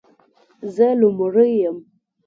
زه لومړۍ یم،